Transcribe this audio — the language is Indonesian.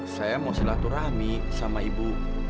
saya mau silaturahmi sama ibu